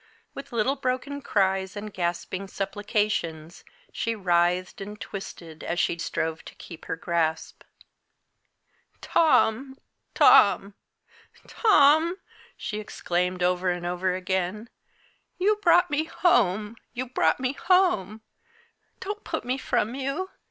With little broken cries and gasping supplications, she writhed and twisted as she strove to keep her grasp. "Tom! Tom! Tom!" she exclaimed, over and over again. "You brought me home! you brought me home! Don't put me from you!